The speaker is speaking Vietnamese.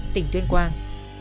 tỉnh tuyên quang